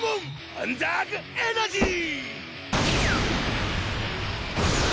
アンダーグ・エナジー！